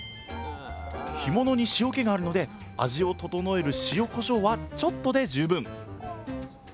干物に塩気があるので味を調える塩こしょうはちょっとで十分！